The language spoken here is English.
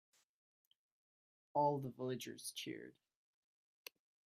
All the villagers cheered.